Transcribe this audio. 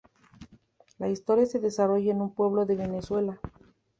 La historia se desarrolla en un pueblo de Venezuela.